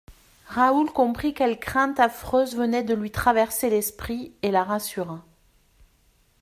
Raoul comprit quelle crainte affreuse venait de lui traverser l'esprit et la rassura.